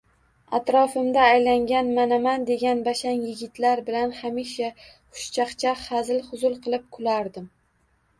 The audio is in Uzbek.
Atrofimda aylangan manaman degan bashang yigitlar bilan hamisha xushchaqchaq, hazil-huzul qilib kulardim